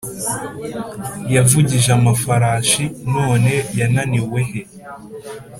yavugije amafarashi - none yananiwe he?